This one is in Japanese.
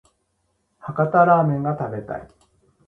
博多ラーメンが食べたい